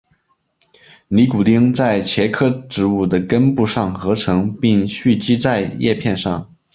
尼古丁在茄科植物的根部上合成并蓄积在叶片上。